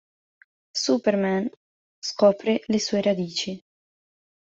Superman scopre le sue radici.